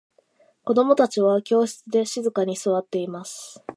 子供達は教室で静かに座っています。